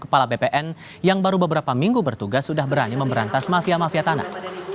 kepala bpn yang baru beberapa minggu bertugas sudah berani memberantas mafia mafia tanah